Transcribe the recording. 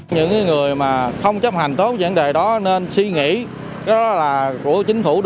những người mà không chấp hành tốt vấn đề đó nên suy nghĩ